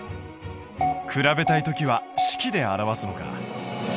比べたい時は式で表すのか。